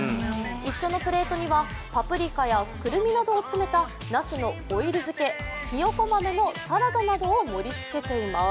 一緒のプレートにはパプリカやくるみなどを詰めたなすのオイル漬け、ひよこ豆のサラダなどを盛りつけています。